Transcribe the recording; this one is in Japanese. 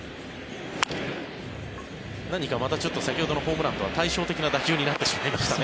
何か、先ほどのホームランとは対照的な打撃になってしまいましたね